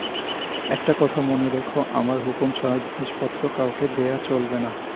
একটা কথা মনে রেখো, আমার হুকুম ছাড়া জিনিসপত্র কাউকে দেওয়া চলবে না।